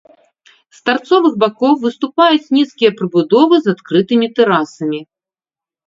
З тарцовых бакоў выступаюць нізкія прыбудовы з адкрытымі тэрасамі.